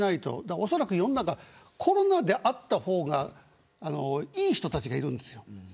おそらく世の中コロナであった方がいい人たちがいるんですよ。